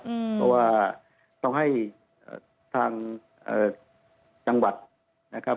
เพราะว่าต้องให้ทางจังหวัดนะครับ